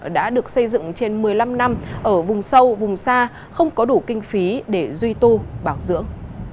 đã được xây dựng trên một mươi năm năm ở vùng sâu vùng xa không có đủ kinh phí để duy tu bảo dưỡng